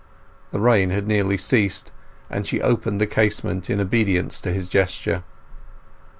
The rain had nearly ceased, and she opened the casement in obedience to his gesture.